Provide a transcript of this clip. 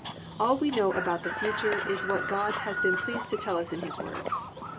_All we know about the future is what God has been pleased to tell us in His Word.